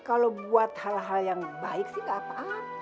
kalo buat hal hal yang baik sih gapapa